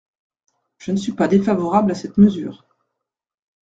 Je ne suis pas défavorable à cette mesure.